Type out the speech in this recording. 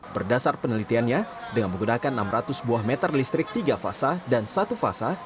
berdasar penelitiannya dengan menggunakan enam ratus buah meter listrik tiga fasa dan satu fasa